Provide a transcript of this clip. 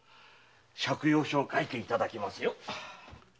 借用書を書いていただきますよ。